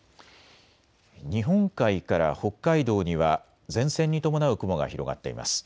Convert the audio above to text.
日本海から北海道には前線に伴う雲が広がっています。